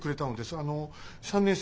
あの３年生